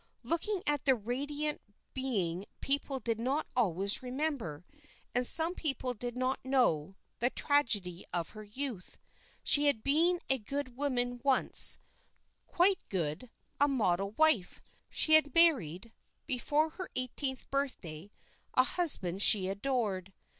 Looking at the radiant being people did not always remember, and some people did not know, the tragedy of her youth. She had been a good woman once, quite good, a model wife. She had married, before her eighteenth birthday, a husband she adored.